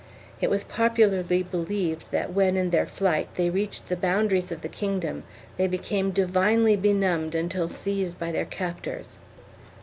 It was popularly believed that when, in their flight, they reached the boundaries of the kingdom, they became divinely benumbed 252 THE KINGDOMS OF ARAGON [BOOK I until seized by their captors.